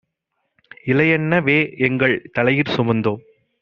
இலைஎன்ன வேஎங்கள் தலையிற் சுமந்தோம்.